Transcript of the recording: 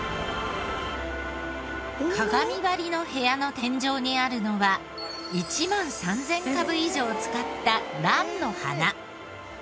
鏡張りの部屋の天井にあるのは１万３０００株以上使った蘭の花。